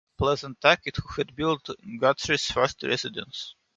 Pleasant Tackitt, who had built Guthrie's first residence.